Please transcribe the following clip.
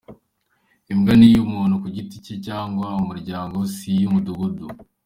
Imbwa ni iy’umuntu ku giti cye cyangwa iy’umuryango; si iy’umudugudu.